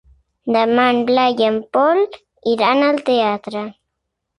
Demà en Blai i en Pol iran al teatre.